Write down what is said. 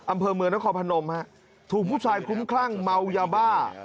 อำเภอเมืองนครพนมฮะถูกผู้ชายคุ้มคลั่งเมายาบ้า